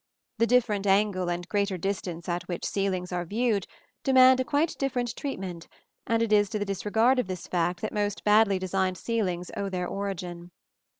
The different angle and greater distance at which ceilings are viewed demand a quite different treatment and it is to the disregard of this fact that most badly designed ceilings owe their origin.